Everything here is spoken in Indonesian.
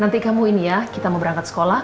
nanti kamu ini ya kita mau berangkat sekolah